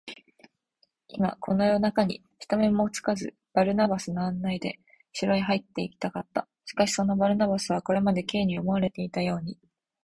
今、この夜なかに、人目にもつかず、バルナバスの案内で城へ入っていきたかった。しかし、そのバルナバスは、これまで Ｋ に思われていたように、